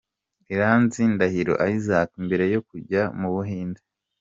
Iranzi Ndahiro Issac mbere yo kujya mu Buhinde.